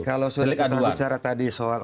kalau kita bicara tadi soal